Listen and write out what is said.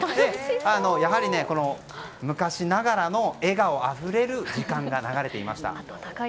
やはり昔ながらの笑顔あふれる時間が流れていました。